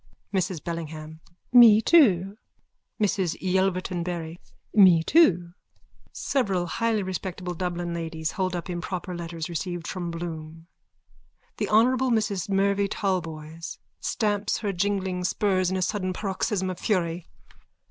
MRS BELLINGHAM: Me too. MRS YELVERTON BARRY: Me too. (Several highly respectable Dublin ladies hold up improper letters received from Bloom.) THE HONOURABLE MRS MERVYN TALBOYS: _(Stamps her jingling spurs in a sudden paroxysm of fury.)